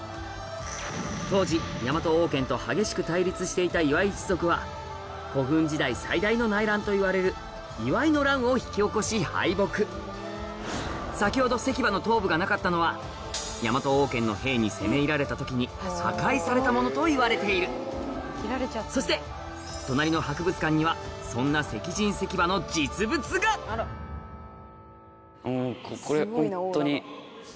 当時ヤマト王権と激しく対立していた磐井一族は古墳時代最大の内乱といわれる磐井の乱を引き起こし敗北先ほど石馬の頭部がなかったのはヤマト王権の兵に攻め入られた時に破壊されたものといわれているそして隣の博物館にはそんな石人石馬の実物がこれホントに。